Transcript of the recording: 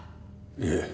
いえ。